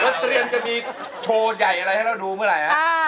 แล้วเตรียมจะมีโชว์ใหญ่อะไรให้เราดูเมื่อไหร่ฮะ